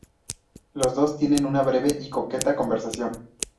Los dos tienen una breve y coqueta conversación.